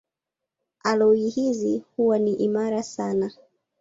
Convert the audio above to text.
Aloi hizi huwa ni imara sana.